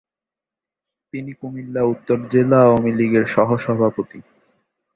তিনি কুমিল্লা উত্তর জেলা আওয়ামী লীগের সহ-সভাপতি।